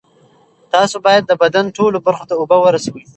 تاسو باید د بدن ټولو برخو ته اوبه ورسوي.